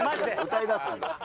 歌いだすんだ。